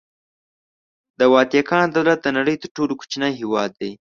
د واتیکان دولت د نړۍ تر ټولو کوچنی هېواد دی.